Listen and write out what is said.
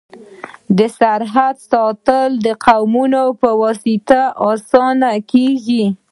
د سرحد ساتل د قومونو په واسطه اسانه کيږي.